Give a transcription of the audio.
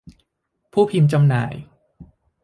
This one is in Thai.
ผู้พิมพ์จำหน่าย